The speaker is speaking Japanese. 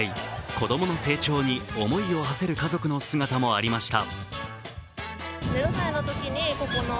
子供の成長に思いをはせる家族の姿もありました。